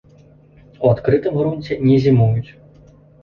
У адкрытым грунце не зімуюць.